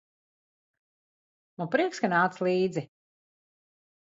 Man prieks, ka nāc līdzi.